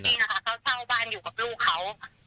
นี่นะคะเขาเช่าบ้านอยู่กับลูกเขา